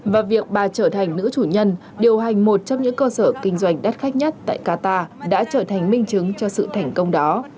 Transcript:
và việc bà trở thành nữ chủ nhân điều hành một trong những cơ sở kinh doanh đắt khách nhất tại qatar đã trở thành minh chứng cho sự thành công đó